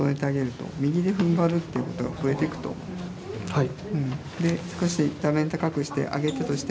はい。